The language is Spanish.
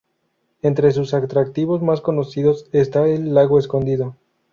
Entre sus atractivos más conocidos está el "Lago escondido".